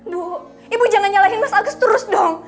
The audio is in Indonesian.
loh ibu jangan nyalahin mas agus terus dong